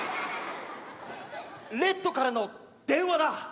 レッドからの電話だ！